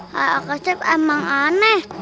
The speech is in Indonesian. kakak chef emang aneh